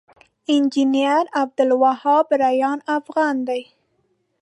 انجنير عبدالوهاب ريان افغان دی